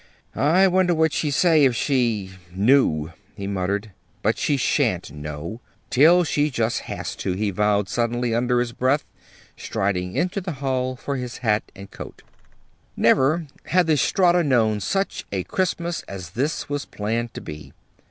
"I wonder what she'd say if she knew," he muttered. "But she sha'n't know till she just has to," he vowed suddenly, under his breath, striding into the hall for his hat and coat. Never had the Strata known such a Christmas as this was planned to be.